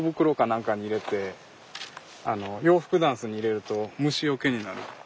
何かに入れて洋服ダンスに入れると虫よけになる。